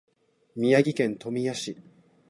宮城県富谷市